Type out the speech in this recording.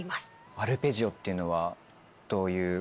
アルペジオっていうのはどういう？